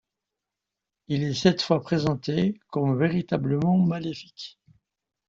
Il est cette fois présenté comme véritablement maléfique.